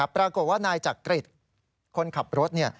ปรากฏว่านายจักริตคนขับรถ